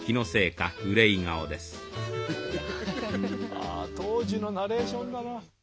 ああ当時のナレーションだな。